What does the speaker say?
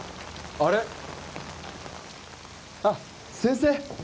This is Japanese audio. あれ先生